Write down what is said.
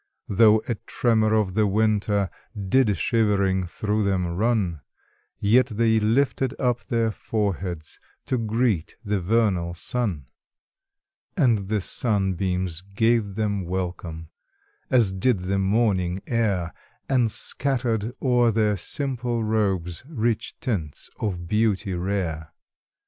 5 Though a tremor of the winter Did shivering through them run; Yet they lifted up their foreheads To greet the vernal sun. And the sunbeams gave them welcome. As did the morning air And scattered o'er their simple robes Rich tints of beauty rare.